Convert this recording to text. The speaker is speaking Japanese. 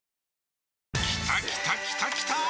きたきたきたきたー！